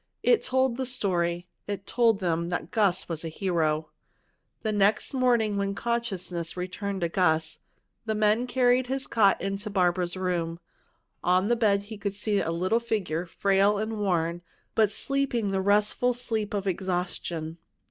It told the story; it told them that Gus was a hero. The next morning when consciousness returned to Gus, the men carried his cot into Barbara's room. On the bed he could see a little figure, frail and worn, but sleeping the restful sleep of exhaustion.